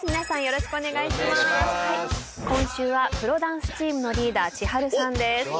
今週はプロダンスチームのリーダーｃｈｉｈａｒｕさんです。